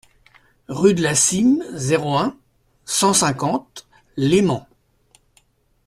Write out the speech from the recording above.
Rue de la Cîme, zéro un, cent cinquante Leyment